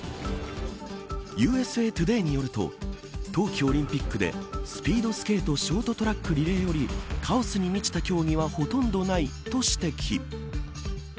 ＵＳＡトゥデーによると冬季オリンピックでスピードスケートショートトラックリレーよりカオスに満ちた競技はほとんどないと指摘。